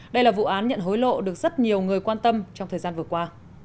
đây là vụ án nhận hối lộ được rất nhiều người quan tâm trong thời gian vừa qua